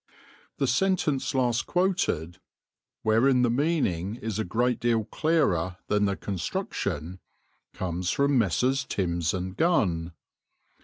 The sentence last quoted, wherein the meaning is a great deal clearer than the construction, comes from Messrs. Timbs and Gunn.